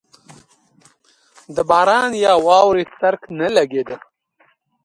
د باران یا واورې څرک نه لګېده.